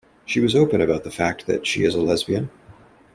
She was open about the fact that she is a lesbian.